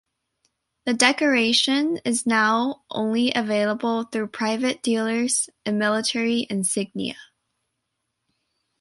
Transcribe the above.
The decoration is now only available through private dealers in military insignia.